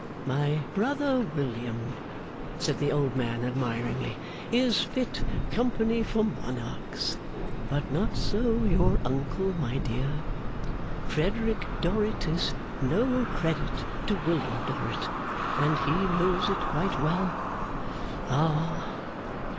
My brother William,' said the old man admiringly, 'is fit company for monarchs; but not so your uncle, my dear. Frederick Dorrit is no credit to William Dorrit, and he knows it quite well. Ah!